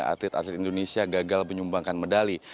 atlet atlet indonesia gagal menyumbangkan medali